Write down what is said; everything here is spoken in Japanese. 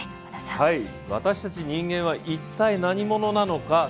私たち人間は一体何者なのか。